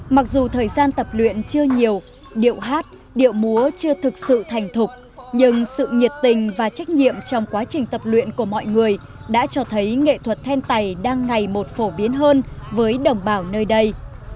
mặc dù thời gian tập luyện chưa nhiều điệu hát điệu múa chưa thực sự thành thục nhưng sự nhiệt tình và trách nhiệm trong quá trình tập luyện của mọi người đã cho thấy nghệ thuật then tày đang ngày một phổ biến hơn với đồng bào nơi đây